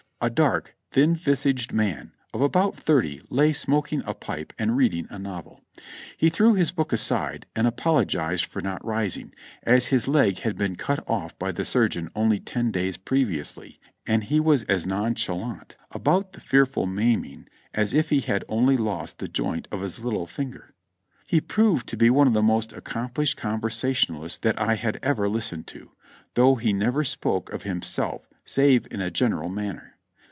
A dark, thin visaged man of about thirty lay smoking a pipe and reading a novel. He threw his book aside and apologized for not rising, as his leg had been cut off by the surgeon only ten days previously ; and he was as nonchalant about the fearful maiming as if he had only lost the joint of his little finger. He proved to be one of the most accomplished conversation alists that I had ever listened to, though he never spoke of him self save in a general manner.